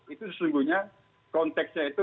itu sesungguhnya konteksnya itu